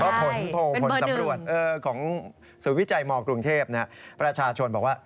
ผลสำรวจของศูนย์วิจัยมกรุงเทพประชาชนบอกว่า